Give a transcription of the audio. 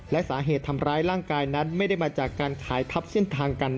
และสาเหตุทำร้ายร่างกายนั้นไม่ได้มาจากการขายทับเส้นทางกัน